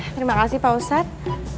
terima kasih pak ustadz